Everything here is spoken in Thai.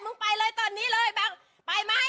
มึงไปเลยตอนนี้เลยไปไหมไปไหม